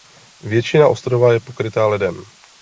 Většina ostrova je pokryta ledem.